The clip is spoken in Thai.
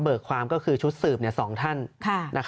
ความก็คือชุดสืบ๒ท่าน